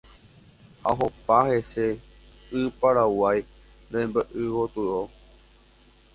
ha ohopa heseve y Paraguái rembe'y gotyo.